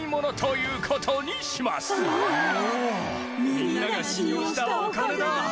みんなが信用したお金だ！